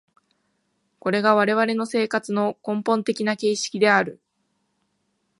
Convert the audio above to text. これが我々の生活の根本的な形式である。